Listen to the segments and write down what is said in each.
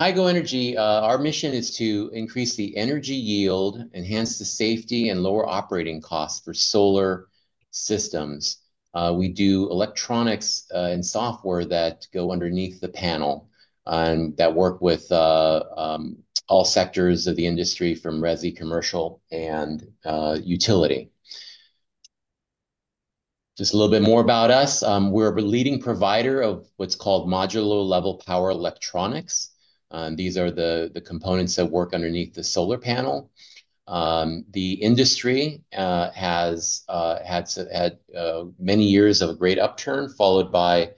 At Tigo Energy, our mission is to increase the energy yield, enhance the safety, and lower operating costs for solar systems. We do electronics and software that go underneath the panel and that work with all sectors of the industry, from resi, commercial, and utility. Just a little bit more about us: we're a leading provider of what's called module-level power electronics. These are the components that work underneath the solar panel. The industry has had many years of a great upturn, followed by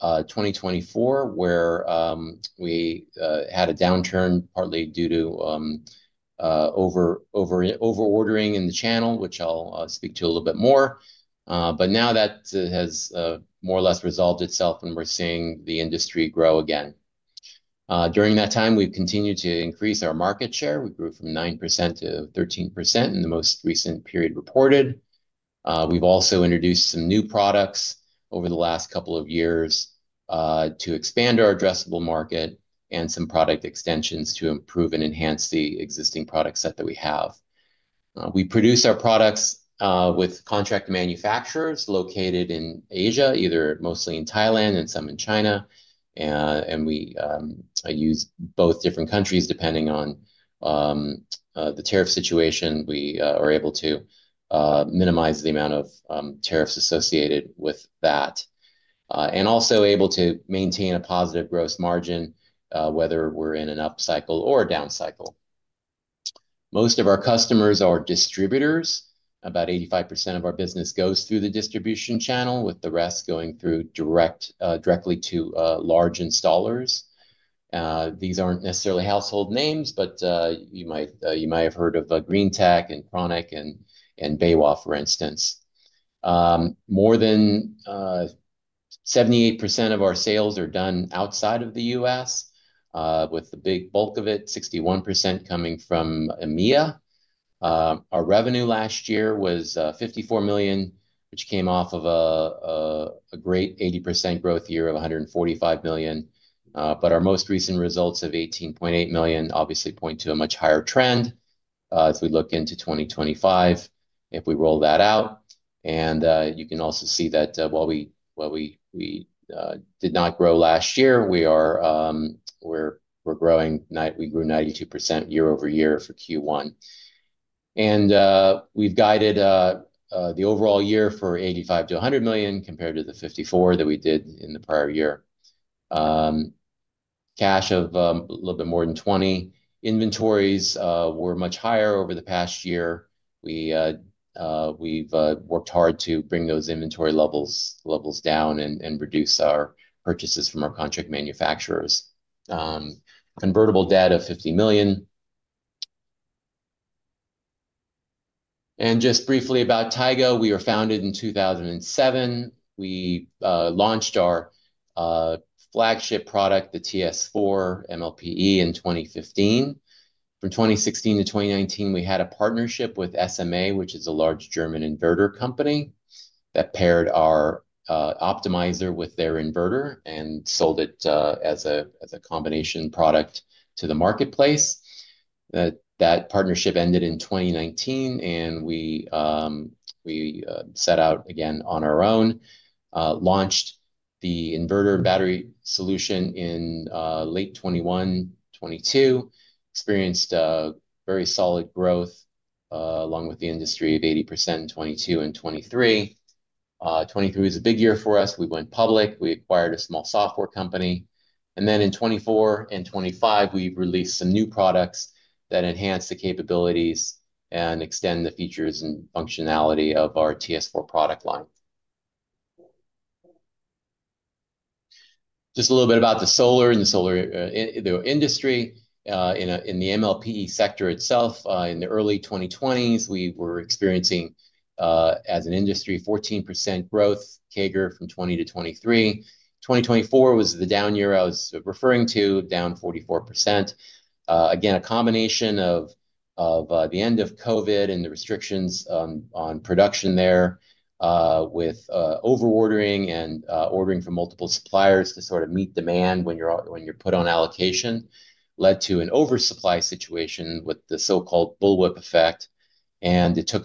2024, where we had a downturn, partly due to over-ordering in the channel, which I'll speak to a little bit more. That has more or less resolved itself, and we're seeing the industry grow again. During that time, we've continued to increase our market share. We grew from 9% to 13% in the most recent period reported. We've also introduced some new products over the last couple of years to expand our addressable market and some product extensions to improve and enhance the existing product set that we have. We produce our products with contract manufacturers located in Asia, mostly in Thailand and some in China. We use both different countries. Depending on the tariff situation, we are able to minimize the amount of tariffs associated with that and also able to maintain a positive gross margin, whether we're in an upcycle or a downcycle. Most of our customers are distributors. About 85% of our business goes through the distribution channel, with the rest going directly to large installers. These aren't necessarily household names, but you might have heard of Greentech and Krannich and BayWa, for instance. More than 78% of our sales are done outside of the U.S., with the big bulk of it, 61%, coming from EMEA. Our revenue last year was $54 million, which came off of a great 80% growth year of $145 million. Our most recent results of $18.8 million obviously point to a much higher trend as we look into 2025 if we roll that out. You can also see that while we did not grow last year, we're growing. We grew 92% year over year for Q1. We've guided the overall year for $85 million-$100 million compared to the $54 million that we did in the prior year. Cash of a little bit more than $20 million. Inventories were much higher over the past year. We've worked hard to bring those inventory levels down and reduce our purchases from our contract manufacturers. Convertible debt of $50 million. Just briefly about Tigo, we were founded in 2007. We launched our flagship product, the TS4 MLPE, in 2015. From 2016 to 2019, we had a partnership with SMA, which is a large German inverter company, that paired our optimizer with their inverter and sold it as a combination product to the marketplace. That partnership ended in 2019, and we set out again on our own, launched the inverter battery solution in late 2021-2022, experienced very solid growth along with the industry of 80% in 2022 and 2023. 2023 was a big year for us. We went public. We acquired a small software company. In 2024 and 2025, we released some new products that enhance the capabilities and extend the features and functionality of our TS4 product line. Just a little bit about the solar and the industry. In the MLPE sector itself, in the early 2020s, we were experiencing, as an industry, 14% growth, CAGR from 2020 to 2023. 2024 was the down year I was referring to, down 44%. Again, a combination of the end of COVID and the restrictions on production there with over-ordering and ordering from multiple suppliers to sort of meet demand when you're put on allocation led to an oversupply situation with the so-called bullwhip effect. It took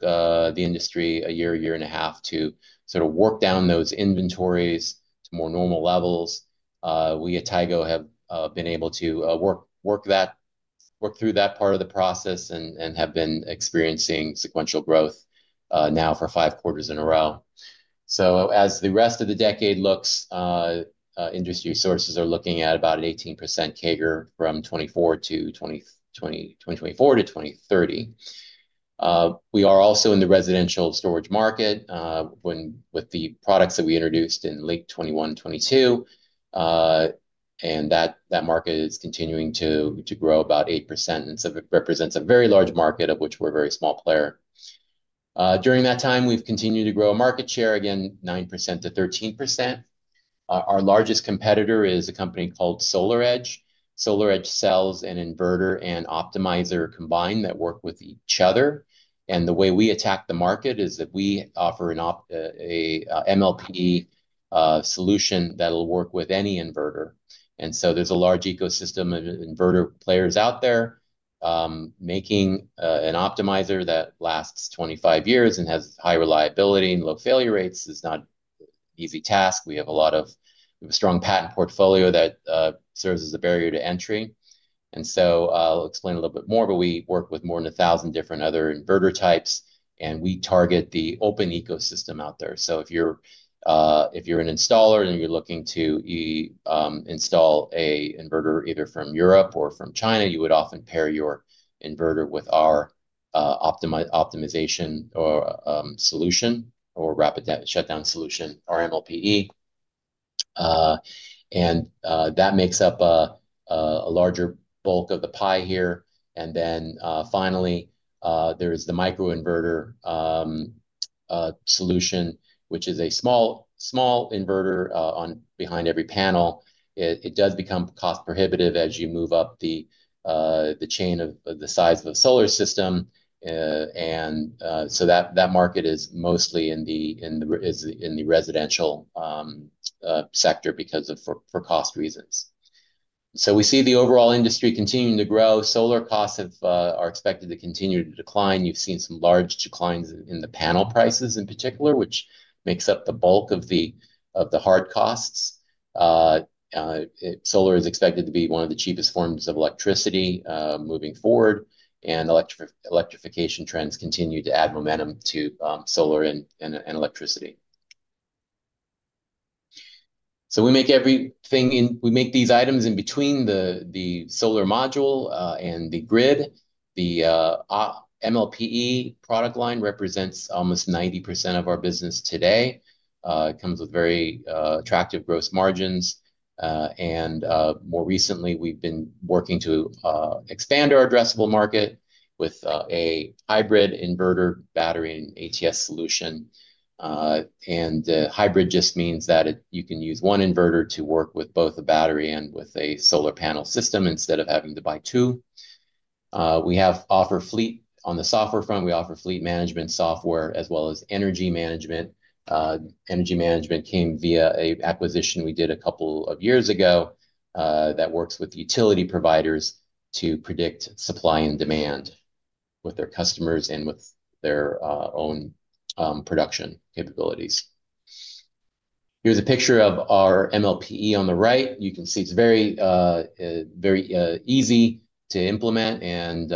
the industry a year, year and a half to sort of work down those inventories to more normal levels. We at Tigo have been able to work through that part of the process and have been experiencing sequential growth now for five quarters in a row. As the rest of the decade looks, industry sources are looking at about an 18% CAGR from 2024 to 2030. We are also in the residential storage market with the products that we introduced in late 2021-2022. That market is continuing to grow about 8%. It represents a very large market, of which we're a very small player. During that time, we've continued to grow a market share, again, 9%-13%. Our largest competitor is a company called SolarEdge. SolarEdge sells an inverter and optimizer combined that work with each other. The way we attack the market is that we offer an MLPE solution that will work with any inverter. There is a large ecosystem of inverter players out there making an optimizer that lasts 25 years and has high reliability and low failure rates. It's not an easy task. We have a strong patent portfolio that serves as a barrier to entry. I'll explain a little bit more, but we work with more than 1,000 different other inverter types. We target the open ecosystem out there. If you're an installer and you're looking to install an inverter either from Europe or from China, you would often pair your inverter with our optimization solution or rapid shutdown solution, our MLPE. That makes up a larger bulk of the pie here. Finally, there is the microinverter solution, which is a small inverter behind every panel. It does become cost-prohibitive as you move up the chain of the size of a solar system. That market is mostly in the residential sector because of cost reasons. We see the overall industry continuing to grow. Solar costs are expected to continue to decline. You've seen some large declines in the panel prices in particular, which makes up the bulk of the hard costs. Solar is expected to be one of the cheapest forms of electricity moving forward. Electrification trends continue to add momentum to solar and electricity. We make these items in between the solar module and the grid. The MLPE product line represents almost 90% of our business today. It comes with very attractive gross margins. More recently, we've been working to expand our addressable market with a hybrid inverter battery and ATS solution. Hybrid just means that you can use one inverter to work with both a battery and with a solar panel system instead of having to buy two. We offer fleet on the software front. We offer fleet management software as well as energy management. Energy management came via an acquisition we did a couple of years ago that works with utility providers to predict supply and demand with their customers and with their own production capabilities. Here is a picture of our MLPE on the right. You can see it is very easy to implement and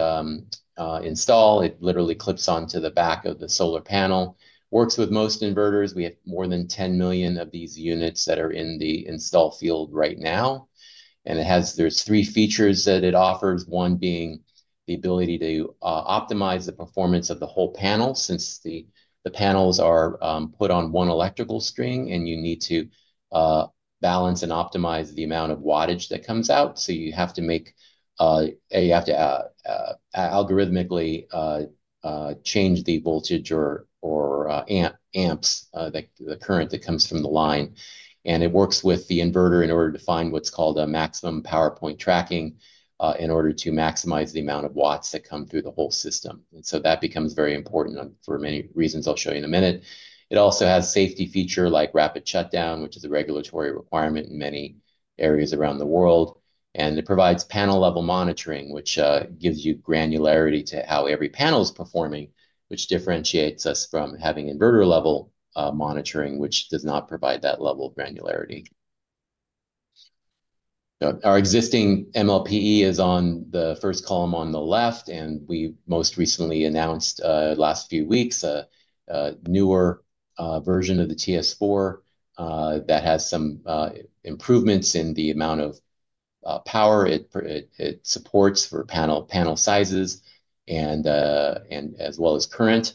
install. It literally clips onto the back of the solar panel. Works with most inverters. We have more than 10 million of these units that are in the install field right now. There are three features that it offers, one being the ability to optimize the performance of the whole panel since the panels are put on one electrical string and you need to balance and optimize the amount of wattage that comes out. You have to algorithmically change the voltage or amps that the current that comes from the line. It works with the inverter in order to find what's called a maximum power point tracking in order to maximize the amount of watts that come through the whole system. That becomes very important for many reasons I'll show you in a minute. It also has a safety feature like rapid shutdown, which is a regulatory requirement in many areas around the world. It provides panel-level monitoring, which gives you granularity to how every panel is performing, which differentiates us from having inverter-level monitoring, which does not provide that level of granularity. Our existing MLPE is on the first column on the left. We most recently announced last few weeks a newer version of the TS4 that has some improvements in the amount of power it supports for panel sizes and as well as current.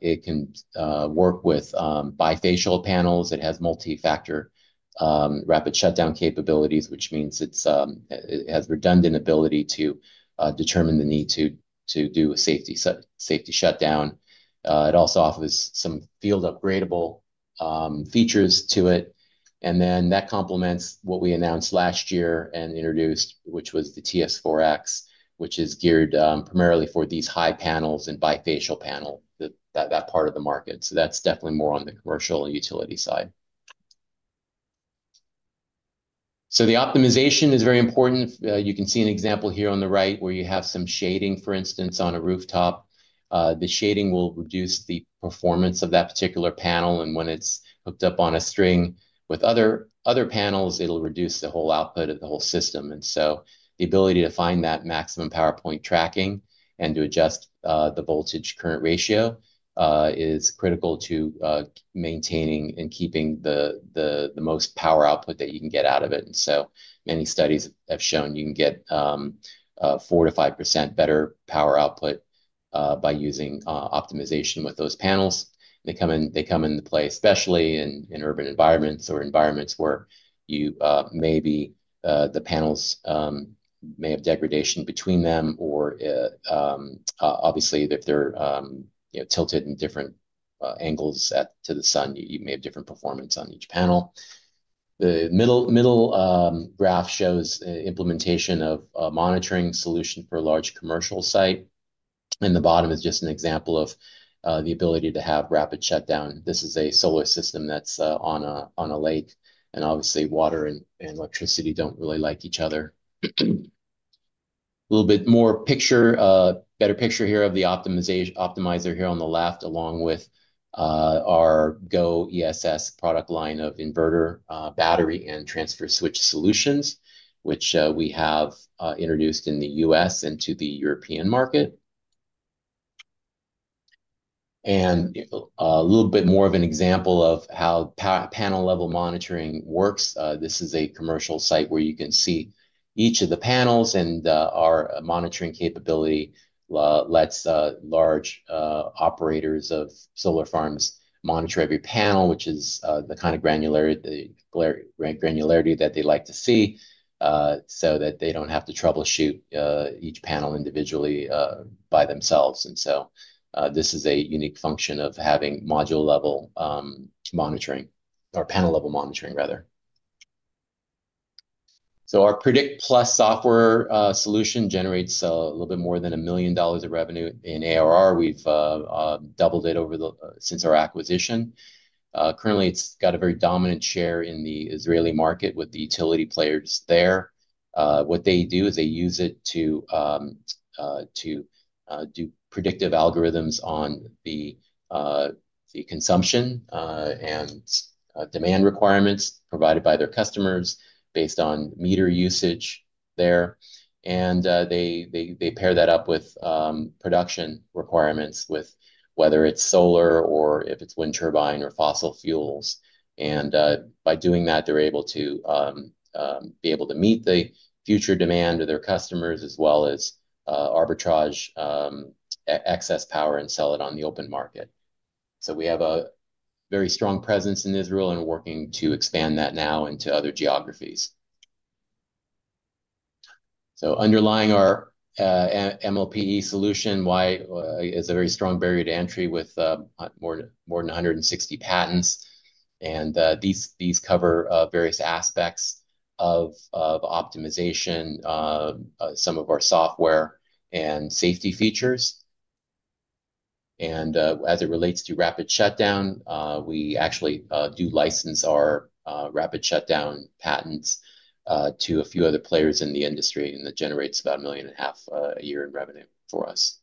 It can work with bifacial panels. It has multi-factor rapid shutdown capabilities, which means it has redundant ability to determine the need to do a safety shutdown. It also offers some field upgradable features to it. That complements what we announced last year and introduced, which was the TS4X, which is geared primarily for these high panels and bifacial panel, that part of the market. That is definitely more on the commercial and utility side. The optimization is very important. You can see an example here on the right where you have some shading, for instance, on a rooftop. The shading will reduce the performance of that particular panel. When it is hooked up on a string with other panels, it will reduce the whole output of the whole system. The ability to find that maximum power point tracking and to adjust the voltage-current ratio is critical to maintaining and keeping the most power output that you can get out of it. Many studies have shown you can get 4-5% better power output by using optimization with those panels. They come into play, especially in urban environments or environments where maybe the panels may have degradation between them. Obviously, if they're tilted in different angles to the sun, you may have different performance on each panel. The middle graph shows implementation of a monitoring solution for a large commercial site. The bottom is just an example of the ability to have rapid shutdown. This is a solar system that's on a lake. Obviously, water and electricity do not really like each other. A little bit more better picture here of the optimizer here on the left, along with our GO ESS product line of inverter, battery, and transfer switch solutions, which we have introduced in the U.S. and to the European market. A little bit more of an example of how panel-level monitoring works. This is a commercial site where you can see each of the panels. Our monitoring capability lets large operators of solar farms monitor every panel, which is the kind of granularity that they like to see so that they do not have to troubleshoot each panel individually by themselves. This is a unique function of having module-level monitoring or panel-level monitoring, rather. Our Predict+ software solution generates a little bit more than $1 million of revenue in ARR. We have doubled it since our acquisition. Currently, it's got a very dominant share in the Israeli market with the utility players there. What they do is they use it to do predictive algorithms on the consumption and demand requirements provided by their customers based on meter usage there. They pair that up with production requirements, whether it's solar or if it's wind turbine or fossil fuels. By doing that, they're able to be able to meet the future demand of their customers as well as arbitrage excess power and sell it on the open market. We have a very strong presence in Israel and are working to expand that now into other geographies. Underlying our MLPE solution is a very strong barrier to entry with more than 160 patents. These cover various aspects of optimization, some of our software, and safety features. As it relates to rapid shutdown, we actually do license our rapid shutdown patents to a few other players in the industry. It generates about $1.5 million a year in revenue for us.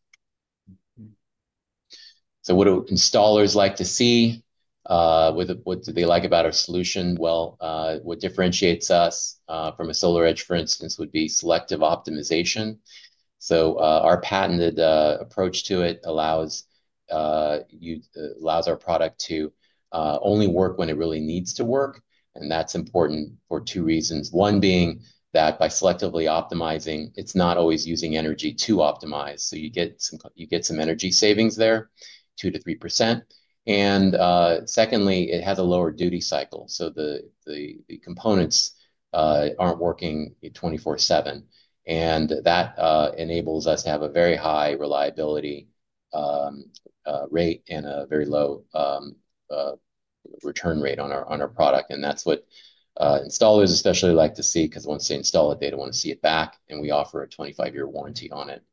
What do installers like to see? What do they like about our solution? What differentiates us from a SolarEdge, for instance, would be selective optimization. Our patented approach to it allows our product to only work when it really needs to work. That is important for two reasons. One being that by selectively optimizing, it is not always using energy to optimize, so you get some energy savings there, 2-3%. Secondly, it has a lower duty cycle, so the components are not working 24/7. That enables us to have a very high reliability rate and a very low return rate on our product. That is what installers especially like to see because once they install it, they want to see it back. We offer a 25-year warranty on it.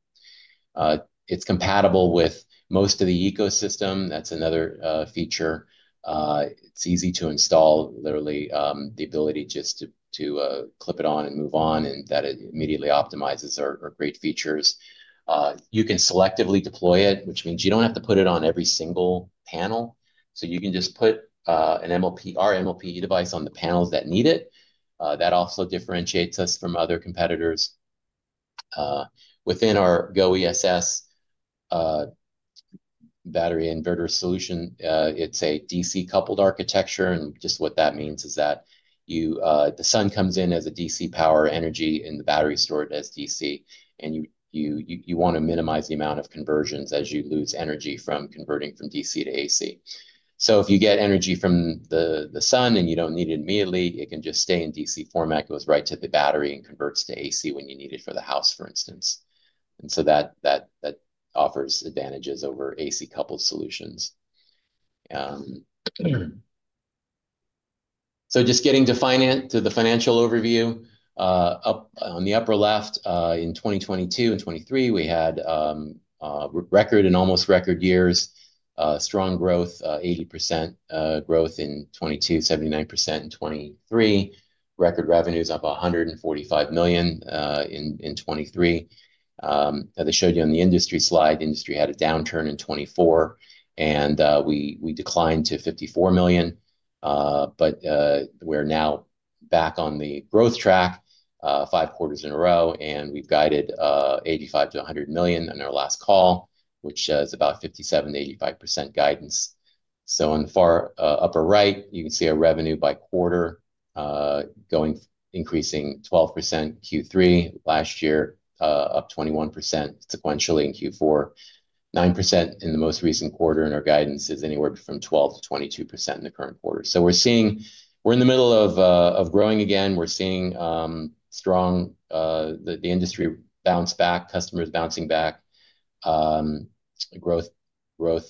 It is compatible with most of the ecosystem. That is another feature. It is easy to install, literally the ability just to clip it on and move on. That immediately optimizes our great features. You can selectively deploy it, which means you do not have to put it on every single panel. You can just put our MLPE device on the panels that need it. That also differentiates us from other competitors. Within our GO ESS battery inverter solution, it is a DC-coupled architecture. What that means is that the sun comes in as DC power energy and the battery is stored as DC. You want to minimize the amount of conversions as you lose energy from converting from DC to AC. If you get energy from the sun and you do not need it immediately, it can just stay in DC format. It goes right to the battery and converts to AC when you need it for the house, for instance. That offers advantages over AC-coupled solutions. Just getting to the financial overview. On the upper left, in 2022 and 2023, we had record and almost record years, strong growth, 80% growth in 2022, 79% in 2023, record revenues of $145 million in 2023. As I showed you on the industry slide, the industry had a downturn in 2024. We declined to $54 million. We are now back on the growth track, five quarters in a row. We have guided $85 million-$100 million on our last call, which is about 57%-85% guidance. On the far upper right, you can see our revenue by quarter increasing 12% Q3 last year, up 21% sequentially in Q4. 9% in the most recent quarter and our guidance is anywhere from 12-22% in the current quarter. We are in the middle of growing again. We are seeing the industry bounce back, customers bouncing back, growth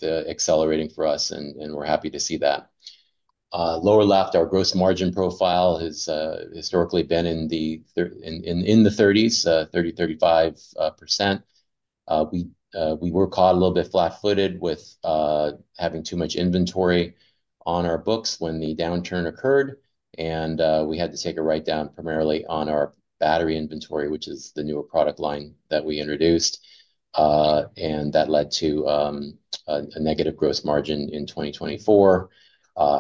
accelerating for us. We are happy to see that. Lower left, our gross margin profile has historically been in the 30s, 30-35%. We were caught a little bit flat-footed with having too much inventory on our books when the downturn occurred. We had to take a write-down primarily on our battery inventory, which is the newer product line that we introduced. That led to a negative gross margin in 2024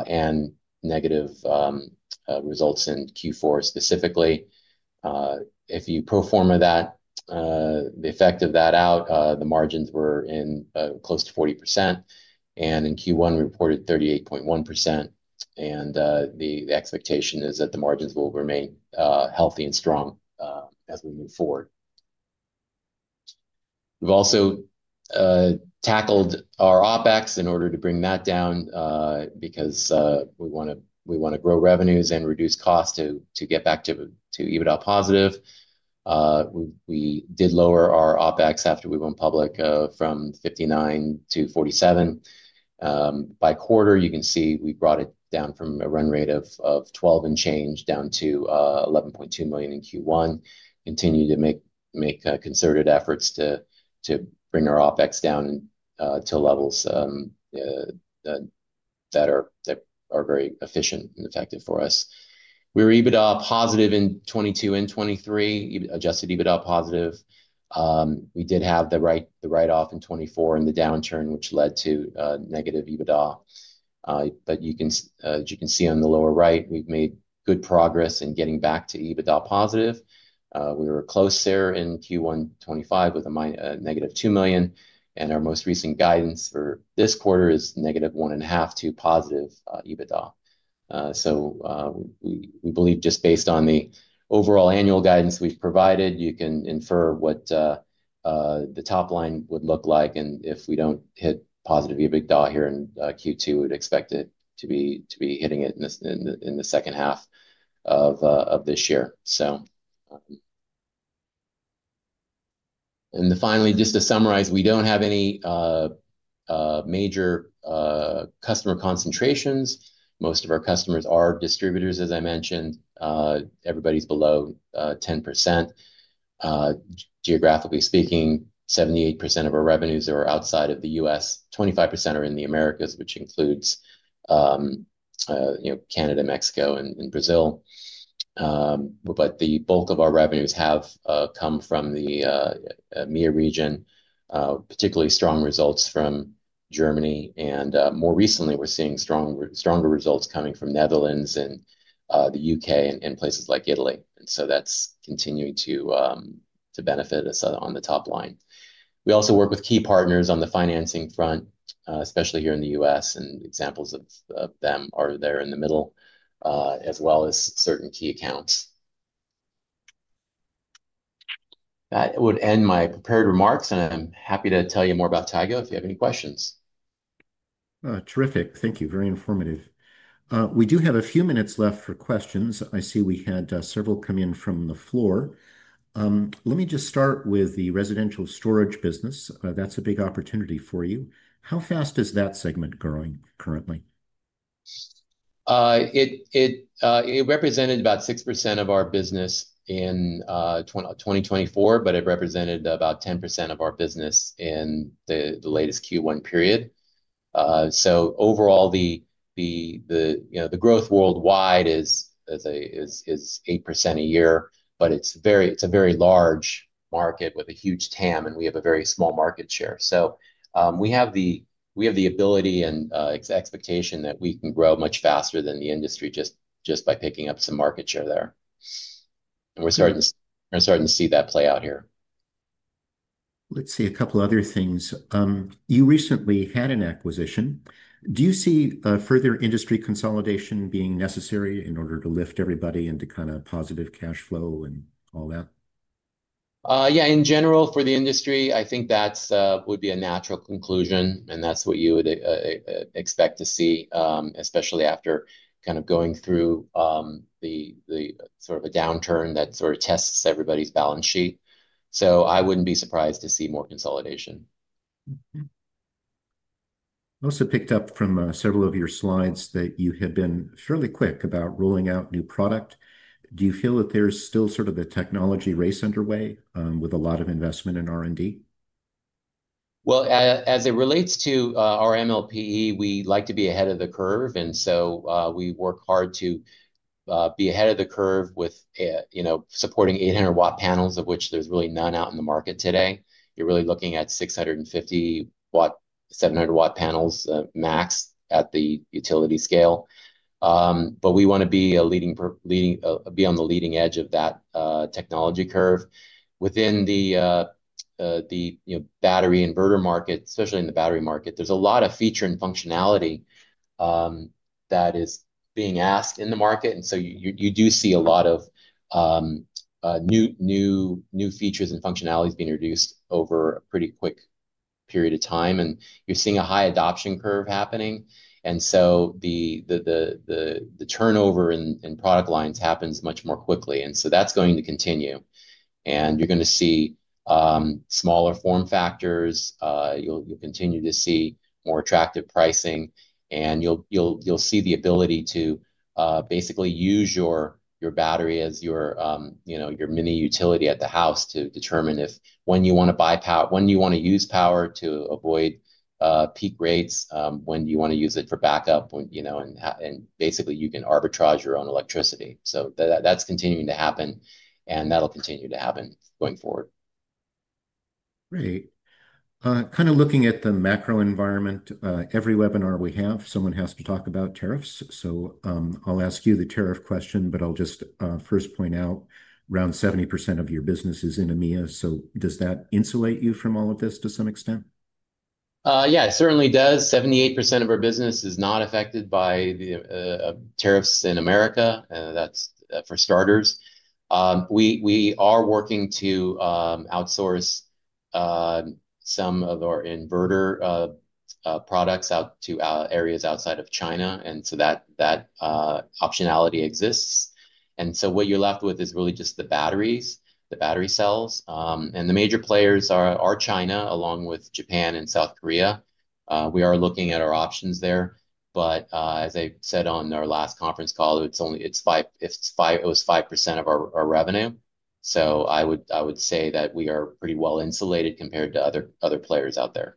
and negative results in Q4 specifically. If you pro forma that, the effect of that out, the margins were close to 40%. In Q1, we reported 38.1%. The expectation is that the margins will remain healthy and strong as we move forward. We've also tackled our OPEX in order to bring that down because we want to grow revenues and reduce costs to get back to EBITDA positive. We did lower our OPEX after we went public from 59 to 47. By quarter, you can see we brought it down from a run rate of 12 and change down to $11.2 million in Q1. Continue to make concerted efforts to bring our OpEx down to levels that are very efficient and effective for us. We were EBITDA positive in 2022 and 2023, adjusted EBITDA positive. We did have the write-off in 2024 in the downturn, which led to negative EBITDA. As you can see on the lower right, we've made good progress in getting back to EBITDA positive. We were close there in Q1 2025 with a -$2 million. Our most recent guidance for this quarter is -$1.5 million to positive EBITDA. We believe just based on the overall annual guidance we've provided, you can infer what the top line would look like. If we do not hit positive EBITDA here in Q2, we'd expect to be hitting it in the second half of this year. Finally, just to summarize, we do not have any major customer concentrations. Most of our customers are distributors, as I mentioned. Everybody is below 10%. Geographically speaking, 78% of our revenues are outside of the U.S. 25% are in the Americas, which includes Canada, Mexico, and Brazil. The bulk of our revenues have come from the EMEA region, particularly strong results from Germany. More recently, we are seeing stronger results coming from the Netherlands and the U.K. and places like Italy. That is continuing to benefit us on the top line. We also work with key partners on the financing front, especially here in the U.S. Examples of them are there in the middle, as well as certain key accounts. That would end my prepared remarks. I am happy to tell you more about Tigo if you have any questions. Terrific. Thank you. Very informative. We do have a few minutes left for questions. I see we had several come in from the floor. Let me just start with the residential storage business. That is a big opportunity for you. How fast is that segment growing currently? It represented about 6% of our business in 2024, but it represented about 10% of our business in the latest Q1 period. Overall, the growth worldwide is 8% a year, but it is a very large market with a huge TAM, and we have a very small market share. We have the ability and expectation that we can grow much faster than the industry just by picking up some market share there. We are starting to see that play out here. Let's see a couple of other things. You recently had an acquisition. Do you see further industry consolidation being necessary in order to lift everybody into kind of positive cash flow and all that? Yeah. In general, for the industry, I think that would be a natural conclusion. That is what you would expect to see, especially after kind of going through the sort of a downturn that sort of tests everybody's balance sheet. I would not be surprised to see more consolidation. I also picked up from several of your slides that you had been fairly quick about rolling out new product. Do you feel that there is still sort of a technology race underway with a lot of investment in R&D? As it relates to our MLPE, we like to be ahead of the curve. We work hard to be ahead of the curve with supporting 800-watt panels, of which there is really none out in the market today. You are really looking at 650-watt, 700-watt panels max at the utility scale. We want to be on the leading edge of that technology curve. Within the battery inverter market, especially in the battery market, there's a lot of feature and functionality that is being asked in the market. You do see a lot of new features and functionalities being introduced over a pretty quick period of time. You're seeing a high adoption curve happening. The turnover in product lines happens much more quickly. That's going to continue. You're going to see smaller form factors. You'll continue to see more attractive pricing. You'll see the ability to basically use your battery as your mini utility at the house to determine when you want to buy power, when you want to use power to avoid peak rates, when you want to use it for backup. Basically, you can arbitrage your own electricity. That's continuing to happen. That'll continue to happen going forward. Great. Kind of looking at the macro environment, every webinar we have, someone has to talk about tariffs. I'll ask you the tariff question, but I'll just first point out around 70% of your business is in EMEA. Does that insulate you from all of this to some extent? Yeah, it certainly does. 78% of our business is not affected by tariffs in the U.S. That's for starters. We are working to outsource some of our inverter products out to areas outside of China. That optionality exists. What you're left with is really just the batteries, the battery cells. The major players are China, along with Japan and South Korea. We are looking at our options there. As I said on our last conference call, it's 5% of our revenue. I would say that we are pretty well insulated compared to other players out there.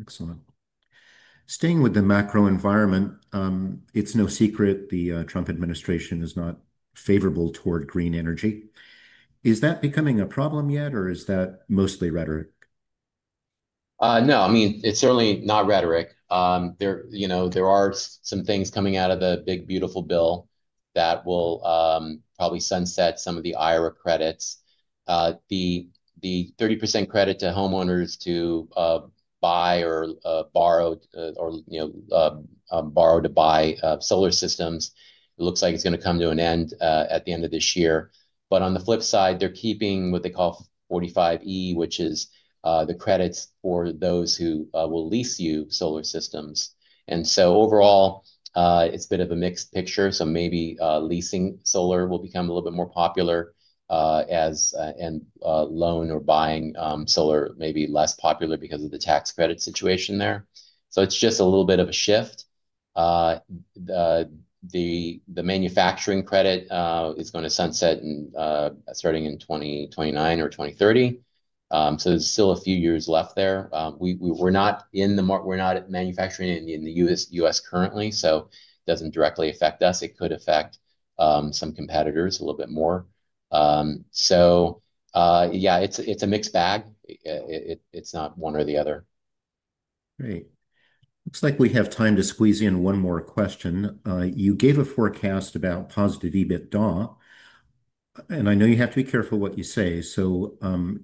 Excellent. Staying with the macro environment, it's no secret the Trump administration is not favorable toward green energy. Is that becoming a problem yet, or is that mostly rhetoric? No. I mean, it's certainly not rhetoric. There are some things coming out of the big, beautiful bill that will probably sunset some of the IRA credits. The 30% credit to homeowners to buy or borrow to buy solar systems, it looks like it's going to come to an end at the end of this year. On the flip side, they're keeping what they call 45Y, which is the credits for those who will lease you solar systems. Overall, it's a bit of a mixed picture. Maybe leasing solar will become a little bit more popular, and loan or buying solar may be less popular because of the tax credit situation there. It is just a little bit of a shift. The manufacturing credit is going to sunset starting in 2029 or 2030. There are still a few years left there. We are not manufacturing in the U.S. currently, so it does not directly affect us. It could affect some competitors a little bit more. It is a mixed bag. It is not one or the other. Great. Looks like we have time to squeeze in one more question. You gave a forecast about positive EBITDA. I know you have to be careful what you say.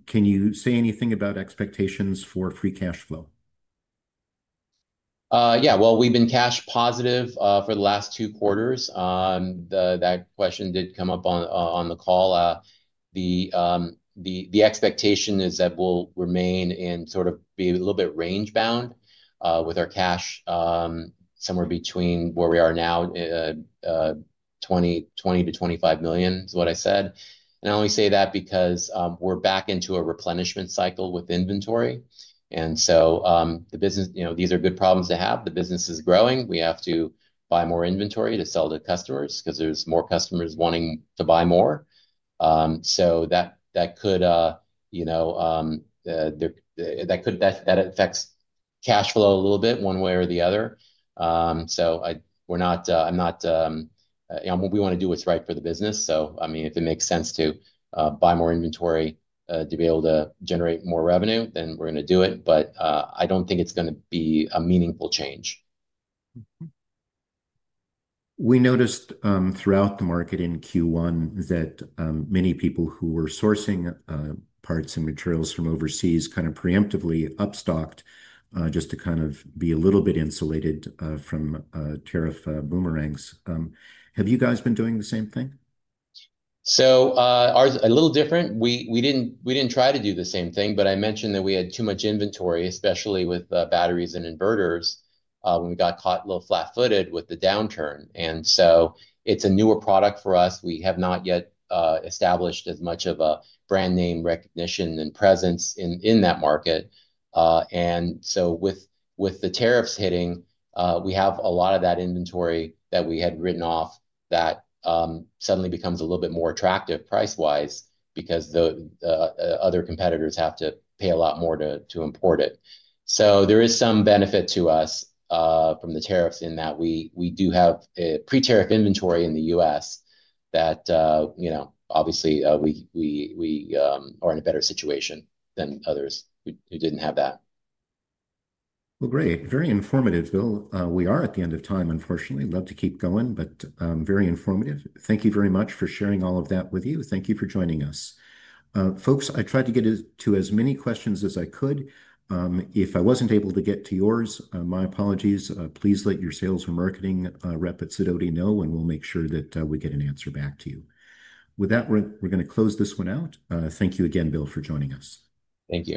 Can you say anything about expectations for free cash flow? Yeah. We have been cash positive for the last two quarters. That question did come up on the call. The expectation is that we'll remain and sort of be a little bit range-bound with our cash somewhere between where we are now, $20 million-$25 million, is what I said. I only say that because we're back into a replenishment cycle with inventory. These are good problems to have. The business is growing. We have to buy more inventory to sell to customers because there's more customers wanting to buy more. That could affect cash flow a little bit one way or the other. I'm not—we want to do what's right for the business. I mean, if it makes sense to buy more inventory to be able to generate more revenue, then we're going to do it. I don't think it's going to be a meaningful change. We noticed throughout the market in Q1 that many people who were sourcing parts and materials from overseas kind of preemptively upstocked just to kind of be a little bit insulated from tariff boomerangs. Have you guys been doing the same thing? A little different. We did not try to do the same thing, but I mentioned that we had too much inventory, especially with batteries and inverters, when we got caught a little flat-footed with the downturn. It is a newer product for us. We have not yet established as much of a brand name recognition and presence in that market. With the tariffs hitting, we have a lot of that inventory that we had written off that suddenly becomes a little bit more attractive price-wise because other competitors have to pay a lot more to import it. There is some benefit to us from the tariffs in that we do have pre-tariff inventory in the U.S. that obviously we are in a better situation than others who did not have that. Great. Very informative, Bill. We are at the end of time, unfortunately. Love to keep going, but very informative. Thank you very much for sharing all of that with you. Thank you for joining us. Folks, I tried to get to as many questions as I could. If I was not able to get to yours, my apologies. Please let your sales and marketing rep at Sudoti know, and we will make sure that we get an answer back to you. With that, we are going to close this one out. Thank you again, Bill, for joining us. Thank you.